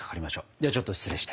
ではちょっと失礼して。